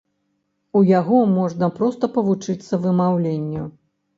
У яго можна проста павучыцца вымаўленню!